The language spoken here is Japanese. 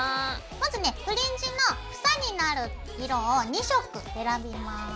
まずねフリンジの房になる色を２色選びます。